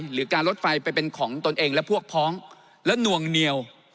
หรือการลดไฟไปเป็นของตนเองและพวกพ้องและนวงเหนียว